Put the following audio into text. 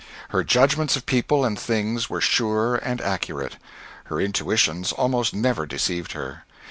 Her judgments of people and things were sure and accurate. Her intuitions almost never deceived her.